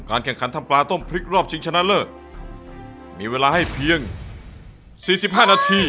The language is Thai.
แข่งขันทำปลาต้มพริกรอบชิงชนะเลิศมีเวลาให้เพียงสี่สิบห้านาที